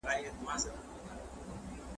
په پښتون کې توره شته خو پوهه نشته.